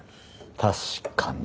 確かに。